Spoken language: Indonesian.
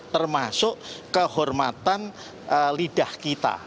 termasuk kehormatan lidah kita